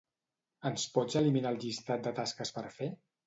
Ens pots eliminar el llistat de tasques per fer?